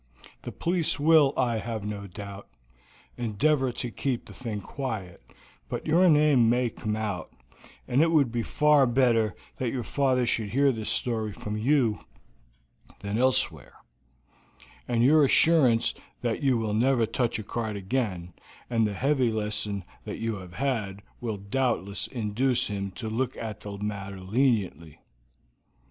The police will, I have no doubt, endeavor to keep this thing quiet, but your name may come out, and it would be far better that your father should hear this story from you than elsewhere; and your assurance that you will never touch a card again, and the heavy lesson that you have had, will doubtless induce him to look at the matter leniently.